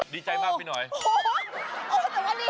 ดีใจมากไปหน่อยโอ้โฮ